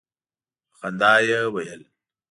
په خندا یې ویل.